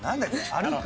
「歩く」？